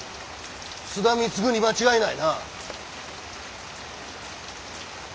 津田貢に間違いないな？